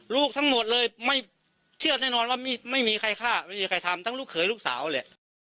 ลูกทั้งหมดเลยไม่เชื่อแน่นอนว่าไม่มีใครฆ่าไม่มีใครทำทั้งลูกเขยลูกสาวแหละ